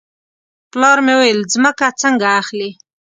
پلار مې وویل ځمکه څنګه اخلې.